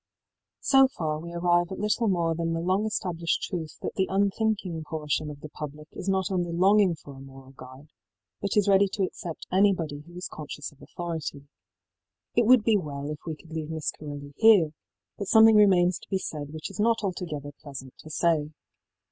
So far we arrive at little more than the long established truth that the unthinking portion of the public is not only longing for a moral guide, but is ready to accept anybody who is conscious of authority. It would be well if we could leave Miss Corelli here, but something remains to be said which is not altogether pleasant to say.